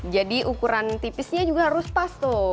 jadi ukuran tipisnya juga harus pas tuh